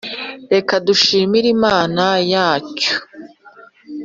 reka dushimire imana yacyu